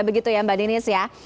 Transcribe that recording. begitu ya mbak ninis ya